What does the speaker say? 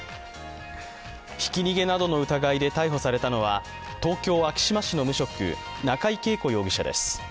ひき逃げなどの疑いで逮捕されたのは、東京・昭島市の無職、中井景子容疑者です。